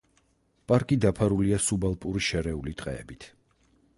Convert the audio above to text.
პარკი დაფარულია სუბალპური შერეული ტყეებით.